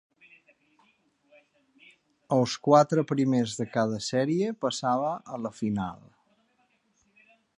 Els quatre primers de cada sèrie passava a la final.